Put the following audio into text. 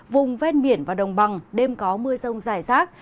vùng vét miển và đồng bằng đêm có mưa rông rải rác